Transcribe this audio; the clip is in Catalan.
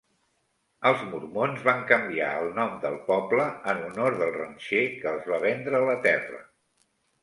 Els mormons van canviar el nom del poble en honor del ranxer que els va vendre la terra.